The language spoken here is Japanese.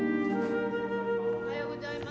おはようございます。